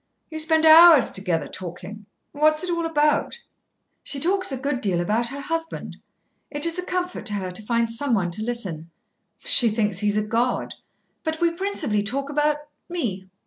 "You spend hours together talking. What is it all about?" "She talks a good deal about her husband. It is a comfort to her to find someone to listen. She thinks he is a god. But we principally talk about me."